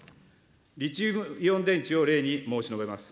リチウムイオン電池を例に申し述べます。